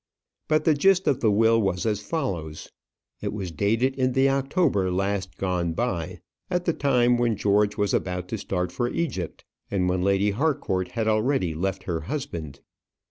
But the gist of the will was as follows. It was dated in the October last gone by, at the time when George was about to start for Egypt, and when Lady Harcourt had already left her husband.